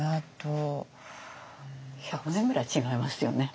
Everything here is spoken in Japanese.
１００年ぐらい違いますよね